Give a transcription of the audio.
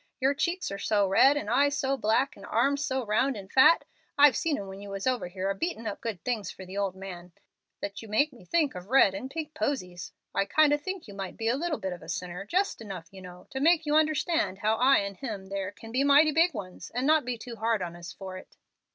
Your cheeks are so red, and eyes so black, and arms so round and fat I've seen 'em when you was over here a beatin' up good things for the old man that you make me think of red and pink posies. I kinder think you might be a little bit of a sinner just enough, you know, to make you understand how I and him there can be mighty big ones, and not be too hard on us for it."